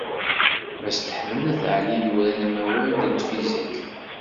Mass Deḥman At Ɛli i yuran amawal n tfizikt.